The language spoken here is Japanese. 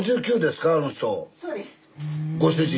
ご主人。